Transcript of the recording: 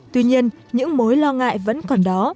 tuy nhiên những mối lo ngại vẫn còn đó